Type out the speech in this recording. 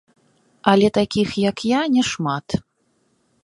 Але такіх, як я не шмат.